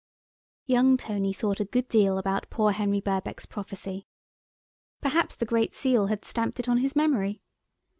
Young Tony thought a good deal about poor Henry Birkbeck's prophecy. Perhaps the Great Seal had stamped it on his memory.